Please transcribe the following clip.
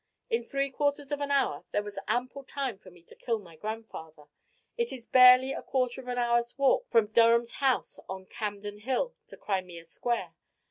In three quarters of an hour there was ample time for me to kill my grandfather. It is barely a quarter of an hour's walk from Durham's house on Camden Hill to Crimea Square.